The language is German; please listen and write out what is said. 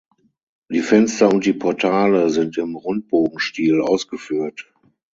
Die Fenster und die Portale sind im Rundbogenstil ausgeführt.